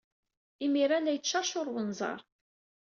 Imir-a la yettceṛcuṛ wenẓar.